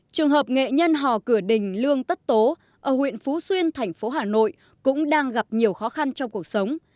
trường hợp nghệ nhân hò cửa đình lương tất tố ở huyện phú xuyên thành phố hà nội cũng đang gặp nhiều khó khăn trong cuộc sống